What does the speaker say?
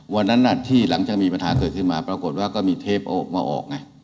วันนั้นที่หลังจากมีปัญหาเกิดขึ้นมาปรากฏว่าก็มีเทปออกมาออกไง